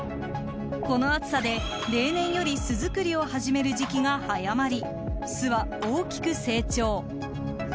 この暑さで、例年より巣作りを始める時期が早まり巣は大きく成長。